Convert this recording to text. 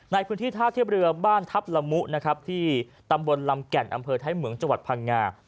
ในพื้นที่ท่าเทียบเรือบ้านทัพละมุที่ตำบลลำแก่นอำเภอไทยเหมืองจพังงา